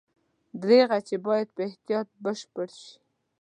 دریغه چې باید په احتیاط بشپړ شي.